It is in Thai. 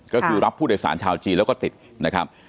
ก็คือรับผู้โดยสารชาวจีนแล้วก็ติดนะครับ